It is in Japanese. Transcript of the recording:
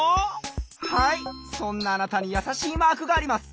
はいそんなあなたにやさしいマークがあります。